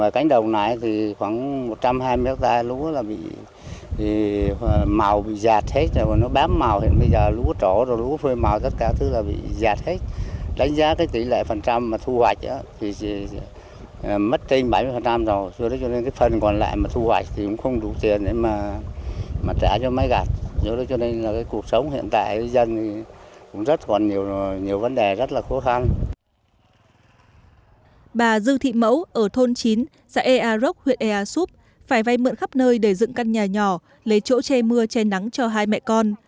bà dư thị mẫu ở thôn chín xã air arok huyện air soup phải vay mượn khắp nơi để dựng căn nhà nhỏ lấy chỗ che mưa che nắng cho hai mẹ con